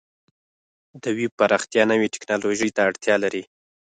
د ویب پراختیا نوې ټکنالوژۍ ته اړتیا لري.